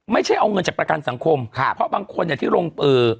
ไม่ใช่เอาเงินจากประกันสังคมครับเพราะบางคนเนี่ยที่ลงเอ่อ